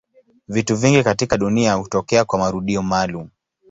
Vitu vingi katika dunia hutokea kwa marudio maalumu.